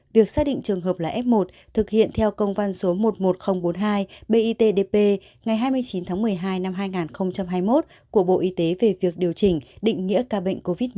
việc xác định trường hợp là f một thực hiện theo công văn số một mươi một nghìn bốn mươi hai bitdp ngày hai mươi chín tháng một mươi hai năm hai nghìn hai mươi một của bộ y tế về việc điều chỉnh định nghĩa ca bệnh covid một mươi chín